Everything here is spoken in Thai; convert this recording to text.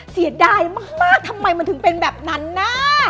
เสียดายมากทำไมมันถึงเป็นแบบนั้นน่ะ